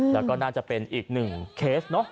แล้วก็น่าจะเป็นอีกหนึ่งเคสเนอะ